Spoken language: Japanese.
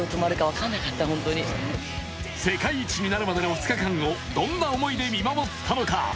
世界一になるまでの２日間をどんな思いで見守ったのか。